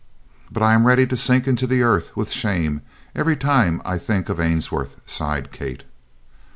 "But I am ready to sink into the earth with shame every time I think of Ainsworth," sighed Kate.